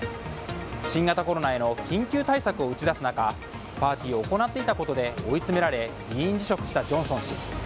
新型コロナへの緊急対策を打ち出す中パーティーを行っていたことで追い詰められ議員辞職したジョンソン氏。